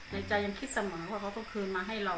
ในใจยังคิดเสมอว่าเขาก็คืนมาให้เรา